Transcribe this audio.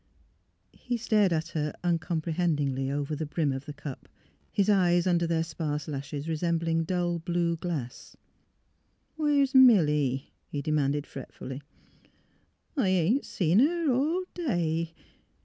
He stared at her uncomprehendingly over the brim of the cup, his eyes under their sparse lashes resembling dull blue glass. " Where's Milly? " he demanded, fretfully. ^' I ain't seen her all day.